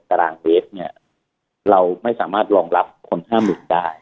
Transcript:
๑คน๑สตารางเวสเราไม่สามารถรองลับคน๕๐๐ได้